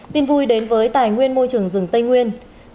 tin vui đến với tài nguyên môi trường rừng tây nguyên